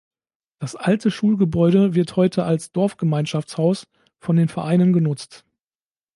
Das alte Schulgebäude wird heute als Dorfgemeinschaftshaus von den Vereinen genutzt.